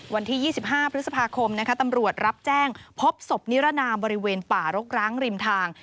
วันที่๒๕พฤษภาคมตำรวจรับแจ้งพบศพนิรนามบริเวณป่ารกร้างริมทาง